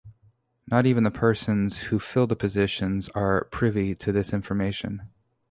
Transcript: Not even the persons who fill the positions are privy to this information.